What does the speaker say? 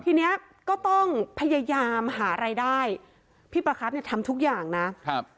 ทีเนี้ยก็ต้องพยายามหารายได้พี่ประคับเนี่ยทำทุกอย่างนะครับ